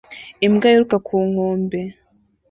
Imbwa yiruka ku nkombe